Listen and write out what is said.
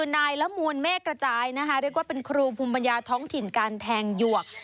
นายละมวลเมฆกระจายนะคะเรียกว่าเป็นครูภูมิปัญญาท้องถิ่นการแทงหยวก